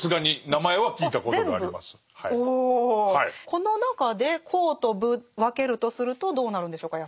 この中で「公」と「武」分けるとするとどうなるんでしょうか？